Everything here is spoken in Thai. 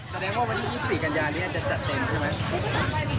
แสดงว่าวันที่๒๔กันยานี้อาจจะจัดเต็มใช่ไหม